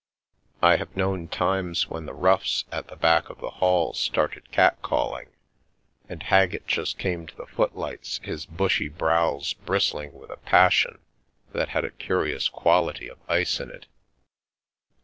I have known times when The Milky Way the roughs at the back of the hall started cat calling, and Haggett just came to the footlights, his bushy brows bristling with a passion that had a curious quality of ice in it.